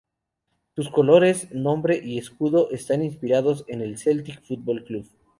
Sus colores, nombre y escudo están inspirados en el Celtic Football Club.